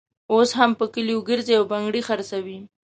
اوس هم په کلیو ګرزي او بنګړي خرڅوي.